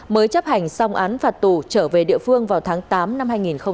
mới chấp hành xong án phạt tù trở về địa phương vào tháng tám năm hai nghìn hai mươi